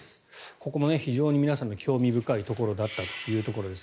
ここも非常に皆さんが興味深いところだったということです。